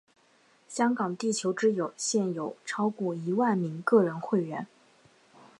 香港地球之友现有超过一万名个人会员。